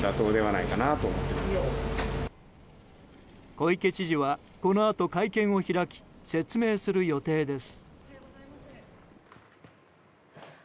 小池知事はこのあと会見を開き説明する予定です。